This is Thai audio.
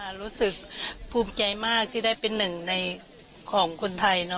รู้สึกภูมิใจมากที่ได้เป็นหนึ่งในของคนไทย